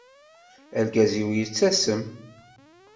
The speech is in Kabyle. Argaz-iw yettasem.